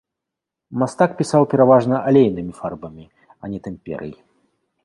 Мастак пісаў пераважна алейнымі фарбамі, а не тэмперай.